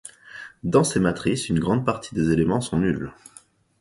Dans ces matrices, une grande partie des éléments sont nuls.